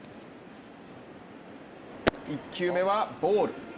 １球目はボール。